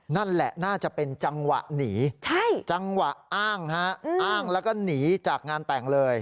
นั่นแหละน่าจะเป็นจังหวะหนีจังหวะอ้างฮะอ้างแล้วก็หนีจากงานแต่งเลย